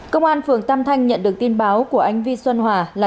công an phường tam thanh nhận được tin báo của anh vi xuân hòa là